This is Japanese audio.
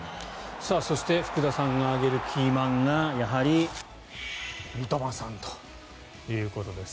そして福田さんが挙げるキーマンがやはり三笘さんということです。